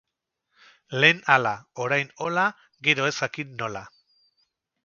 Lehen hala, orain hola, gero ez jakin nola.